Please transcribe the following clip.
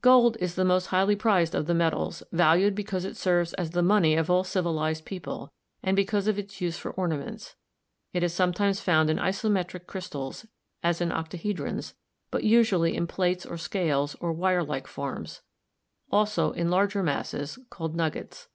Gold is the most highly prized of the metals, valued because it serves as the money of all civilized people, and because of its use for ornaments. It is sometimes found in isometric crystals, as in octahedrons, but usually in plates or scales or wirelike forms; also in larger masses, called nuggets.